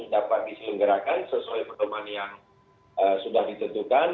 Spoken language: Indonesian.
dapat diselenggarakan sesuai pedoman yang sudah ditentukan